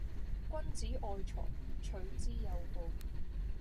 君子愛財，取之有道